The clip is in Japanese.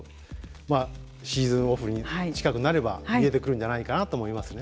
シーズンオフ近くになれば見えてくるんじゃないかなと思いますね。